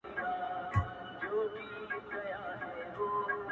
کټه سرې وړې سترګې، پوزې پلنې